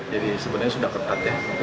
jadi sebenarnya sudah ketat ya